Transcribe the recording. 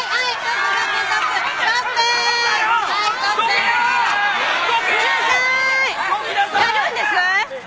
やるんです！？